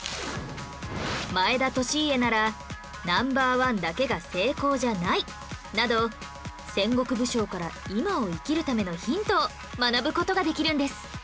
前田利家なら「ナンバーワンだけが成功じゃない」など戦国武将から今を生きるためのヒントを学ぶ事ができるんです